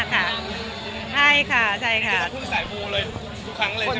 มึงจะพื้นใส่ภูวิเลย